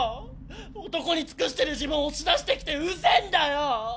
男に尽くしてる自分押し出してきてうぜえんだよ！